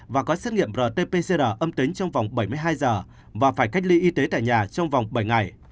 và có xét nghiệm rt pcr âm tính trong vòng bảy mươi hai giờ và phải cách ly y tế tại nhà trong vòng bảy ngày